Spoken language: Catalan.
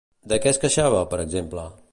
De què es queixava, per exemple?